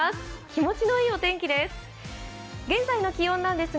気持ちのいいお天気です。